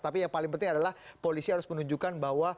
tapi yang paling penting adalah polisi harus menunjukkan bahwa